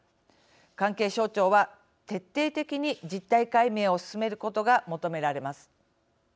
関係省庁は徹底的に実態解明を進めることが求められます。